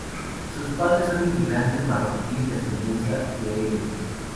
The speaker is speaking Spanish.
Sus padres son inmigrantes marroquíes de ascendencia bereber.